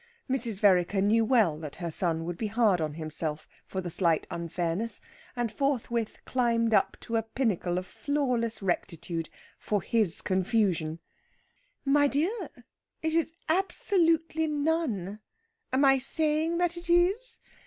Mrs. Vereker knew well that her son would be hard on himself for the slightest unfairness, and forthwith climbed up to a pinnacle of flawless rectitude, for his confusion. "My dear, it is absolutely none. Am I saying that it is?